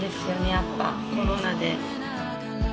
やっぱコロナで。